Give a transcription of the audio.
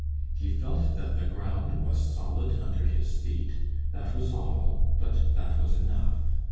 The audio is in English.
He felt that the ground was solid under his feet; that was all; but that was enough.